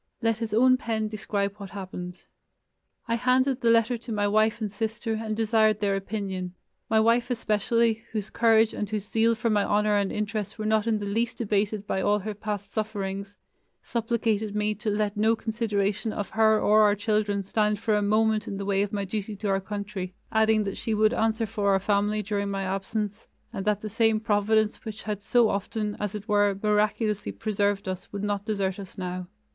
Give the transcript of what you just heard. Let his own pen describe what happened: "I handed the letter to my wife and sister and desired their opinion.... My wife especially, whose courage and whose zeal for my honor and interest were not in the least abated by all her past sufferings, supplicated me to let no consideration of her or our children stand for a moment in the way of my duty to our country, adding that she would answer for our family during my absence and that the same Providence which had so often, as it were, miraculously preserved us would not desert us now."